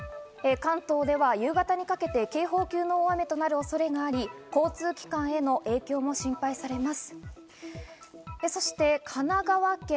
関東では夕方にかけて警報級の大雨となる恐れがあり、交通機関への影響も心配されます。